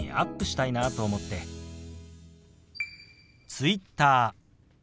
「Ｔｗｉｔｔｅｒ」。